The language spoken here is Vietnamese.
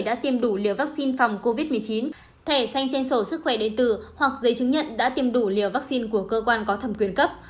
đã tiêm đủ liều vaccine phòng covid một mươi chín thẻ xanh trên sổ sức khỏe điện tử hoặc giấy chứng nhận đã tiêm đủ liều vaccine của cơ quan có thẩm quyền cấp